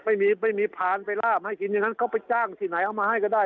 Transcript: ไม่มีไม่มีพานไปลาบให้กินอย่างนั้นเขาไปจ้างที่ไหนเอามาให้ก็ได้